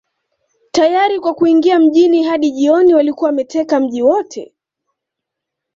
Tayari kwa kuingia mjini Hadi jioni walikuwa wameteka mji wote